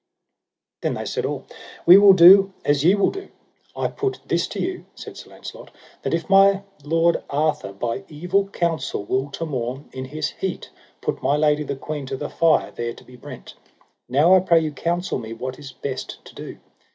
Then they said all: We will do as ye will do. I put this to you, said Sir Launcelot, that if my lord Arthur by evil counsel will to morn in his heat put my lady the queen to the fire there to be brent, now I pray you counsel me what is best to do.